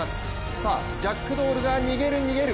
さあ、ジャックドールが逃げる、逃げる。